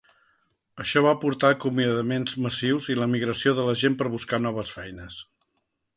Això va portar a acomiadaments massius i la emigració de la gent per buscar noves feines.